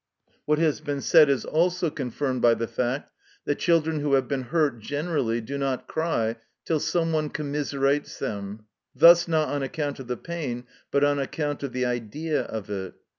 (82) What has been said is also confirmed by the fact that children who have been hurt generally do not cry till some one commiserates them; thus not on account of the pain, but on account of the idea of it.